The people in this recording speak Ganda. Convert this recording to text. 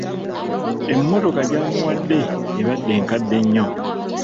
Emmotoka gy'amuwadde ebadde nkadde nnyo.